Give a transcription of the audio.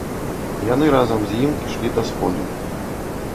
Яны разам з ім ішлі са сходу.